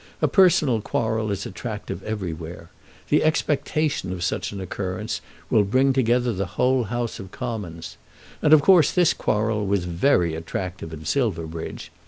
A personal quarrel is attractive everywhere. The expectation of such an occurrence will bring together the whole House of Commons. And of course this quarrel was very attractive in Silverbridge.